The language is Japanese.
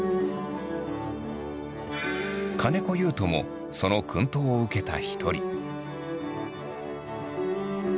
金子雄人もその薫陶を受けた一人。